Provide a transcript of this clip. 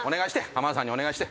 浜田さんにお願いして。